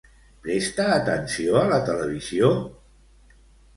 Presta atenció a la televisió?